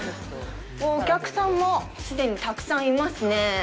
お客さんも既にたくさんいますね。